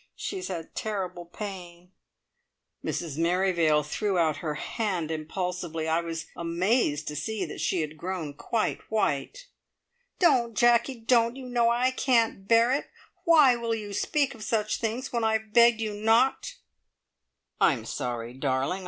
She has had terrible pain." Mrs Merrivale threw out her hand impulsively. I was amazed to see that she had grown quite white. "Don't, Jacky don't! You know I can't bear it. Why will you speak of such things when I have begged you not?" "I'm sorry, darling.